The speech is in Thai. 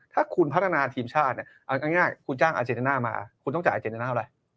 ถ้าคุณพัฒนาทีมชาติง่ายคุณจ้างอาเจนแนน่ามาคุณต้องจ่ายอาเจนแนน่าอะไร